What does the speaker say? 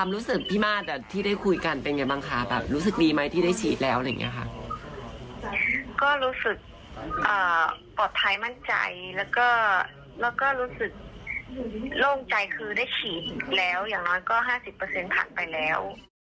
ปลอดภัยมั่นใจแล้วก็รู้สึกโล่งใจคือได้ฉีดแล้วอย่างน้อยก็๕๐ผ่านไปแล้ว